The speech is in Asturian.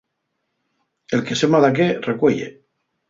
El que sema daqué recueye.